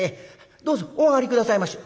「どうぞお上がり下さいまし」。